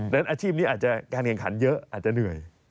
อาชีพนี้อาจจะการแข่งขันเยอะอาจจะเหนื่อย